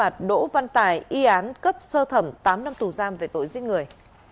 thi án cấp sơ thẩm tám năm tù giam về tội giết người